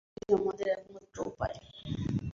এই সেতুই আমাদের একমাত্র উপায়।